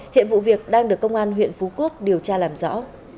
hiện vụ việc đang được công an huyện phú quốc điều tra làm rõ